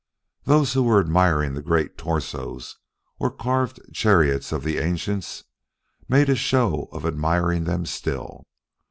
Those who were admiring the great torsos or carved chariots of the ancients, made a show of admiring them still.